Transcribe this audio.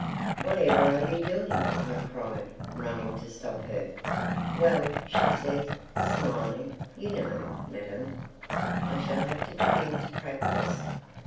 "Whatever are you doing!" I cried, running to stop her. "Well," she said, smiling, you know, madam, "I shall have to begin to practise."